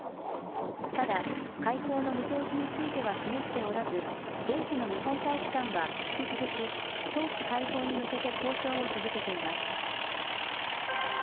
ただ、解放の見通しについては示しておらず、現地の日本大使館は引き続き、早期解放に向けて交渉を続けています。